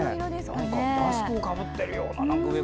マスクをかぶってるような。